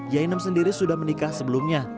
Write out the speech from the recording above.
ya inem sendiri sudah menikah sebelumnya